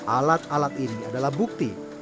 alat alat ini adalah bukti